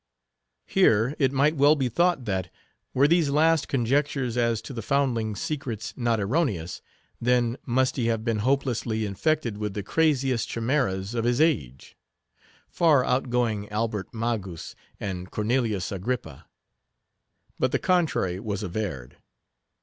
Here, it might well be thought that, were these last conjectures as to the foundling's secrets not erroneous, then must he have been hopelessly infected with the craziest chimeras of his age; far outgoing Albert Magus and Cornelius Agrippa. But the contrary was averred.